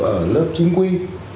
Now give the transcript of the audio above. ở lớp chính quy